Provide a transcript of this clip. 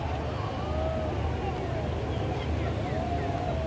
asal sekolah sma negeri dua puluh empat